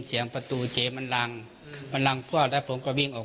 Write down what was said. เสียงประตูเจมส์มันลั่งมันลั่งพว่าแล้วผมก็วิ่งออก